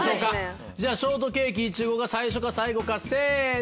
じゃあショートケーキいちごが最初か最後かせの！